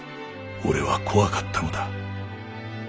俺は怖かったのだ。